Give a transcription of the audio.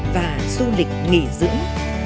và du lịch nghỉ dưỡng